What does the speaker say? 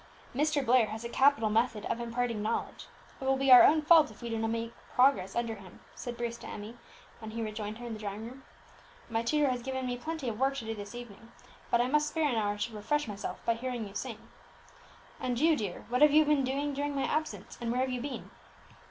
"Mr. Blair has a capital method of imparting knowledge; it will be our own fault if we do not make progress under him," said Bruce to Emmie when he rejoined her in the drawing room. "My tutor has given me plenty of work to do this evening, but I must spare an hour to refresh myself by hearing you sing. And you, dear, what have you been doing during my absence, and where have you been?"